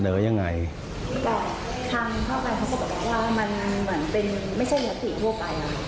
แต่ทางเข้าไปเขาบอกแล้วว่ามันเหมือนเป็นไม่ใช่ยัตติทั่วไป